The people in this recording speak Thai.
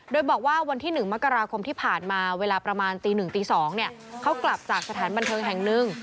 โดยบอกว่าวันที่๑มกราคมที่ผ่านมาเวลาประมาณตี๑ตี๒เขากลับจากสถานบันเทิงแห่งหนึ่ง